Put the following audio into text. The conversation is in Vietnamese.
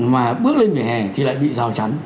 mà bước lên vỉa hè thì lại bị rào chắn